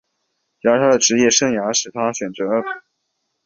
然而他的职业生涯使他选择透过家教服务完成他的高中教育。